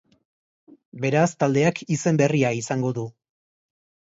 Beraz, taldeak izen berria izango du.